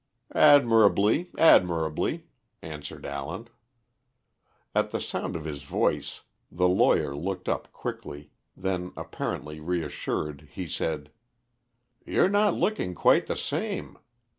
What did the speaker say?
"Admirably, admirably," answered Allen. At the sound of his voice the lawyer looked up quickly, then apparently reassured he said "You're not looking quite the same.